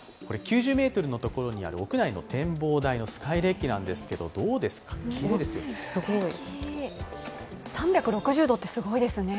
９０ｍのところにある屋内の展望台のスカイデッキなんですけどきれいですよね。